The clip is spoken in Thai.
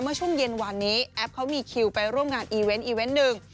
เมื่อช่วงเย็นวานนี้แอปเขามีคิวไปร่วมงานอีเวนต์อีเวนต์หนึ่ง